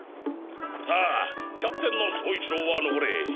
あキャプテンの走一郎は残れ。